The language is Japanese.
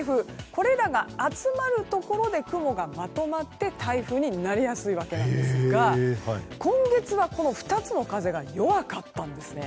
これらが集まるところで雲がまとまって、台風になりやすいわけなんですが今月はこの２つの風が弱かったんですね。